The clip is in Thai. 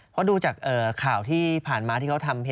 เพราะดูจากข่าวที่ผ่านมาที่เขาทำ